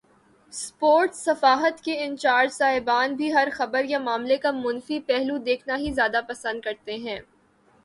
Sports صفحات کے incharge صاحبان بھی ہر خبر یا معاملے کا منفی پہلو دیکھنا ہی زیادہ پسند کرتے ہیں۔